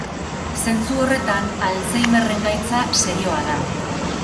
Zentzu horretan, Alzheimerren gaitza serioa da.